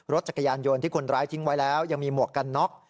รถจักรยานยนต์ที่คนร้ายทิ้งไว้แล้วยังมีหมวกกันน็อก